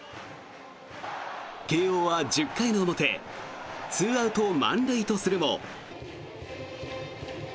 慶応は１０回の表２アウト満塁とするも。